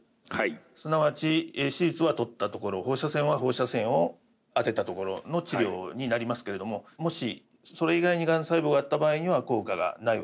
すなわち手術は取った所放射線は放射線を当てた所の治療になりますけれどももしそれ以外にがん細胞があった場合には効果がないわけです。